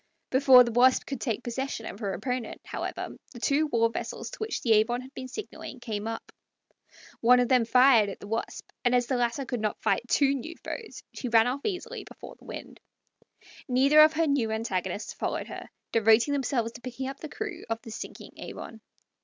Before the Wasp could take possession of her opponent, however, the two war vessels to which the Avon had been signaling came up. One of them fired at the Wasp, and as the latter could not fight two new foes, she ran off easily before the wind. Neither of her new antagonists followed her, devoting themselves to picking up the crew of the sinking Avon.